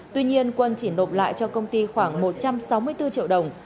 tuy nhiên quân chỉ nộp lại cho công ty khoảng một trăm sáu mươi bốn triệu đồng